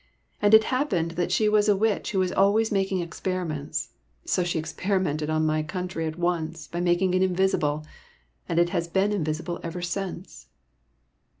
And it happened that she was a witch who was always making experiments, so she experimented on my coun try at once by making it invisible, and it has been invisible ever since."